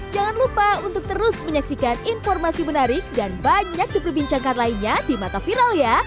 jangan lupa untuk terus menyaksikan informasi menarik dan banyak diperbincangkan lainnya di mata viral ya